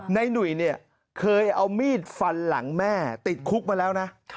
หนุ่ยเนี่ยเคยเอามีดฟันหลังแม่ติดคุกมาแล้วนะ